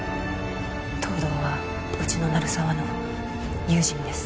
東堂はうちの鳴沢の友人です